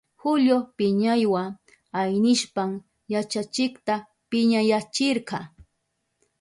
Julio piñaywa aynishpan yachachikta piñachirka.